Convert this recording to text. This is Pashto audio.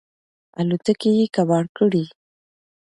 الوتکې یې کباړ کړې.